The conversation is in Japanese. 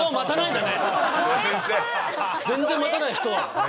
全然待たない人だ！